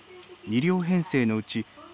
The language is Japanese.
２両編成のうち